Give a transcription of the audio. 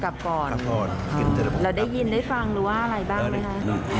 อ๋อกลับก่อนแล้วได้ยินได้ฟังหรือว่าอะไรบ้างไหมค่ะ